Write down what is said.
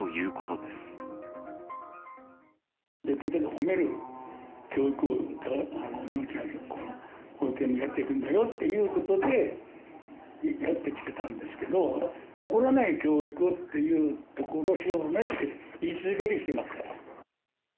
できるだけ褒める教育を、幼稚園、保育園もやっていくんだよということで、やってきてたんですけど、怒らない教育っていうところをしようねって、言い続けてきてます